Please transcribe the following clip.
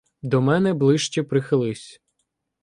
До мене ближче прихились!